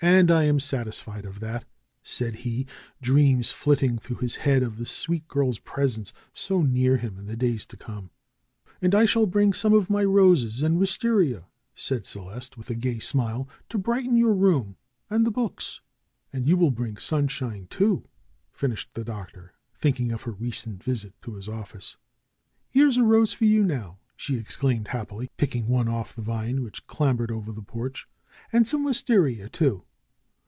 am satisfied of that," said he, dreams flitting through his head of this sweet girl's presence so near him in the days to come. '^And I shall bring some of my roses and wistaria," said Celeste, with a gay smile, ^Ho brighten your room and the books." ^^And you will bring the sunshine, too !" finished the Doctor, thinking of her recent visit to his office. ^^Here's a rose for you now!" she exclaimed happily, picking one off the vine which clambered over the porch. ^^And some wistaria, too!"